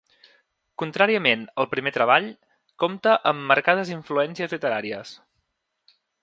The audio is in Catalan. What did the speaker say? Contràriament al primer treball, compta amb marcades influències literàries.